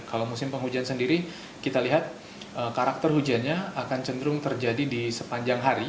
kalau musim penghujan sendiri kita lihat karakter hujannya akan cenderung terjadi di sepanjang hari